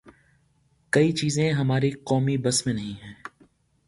کئی چیزیں ہمارے قومی بس میں نہیں ہیں۔